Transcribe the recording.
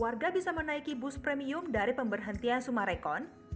warga bisa menaiki bus premium dari pemberhentian sumarekon